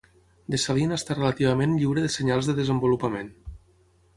The Saline està relativament lliure de senyals de desenvolupament.